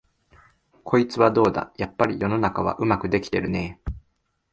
こいつはどうだ、やっぱり世の中はうまくできてるねえ、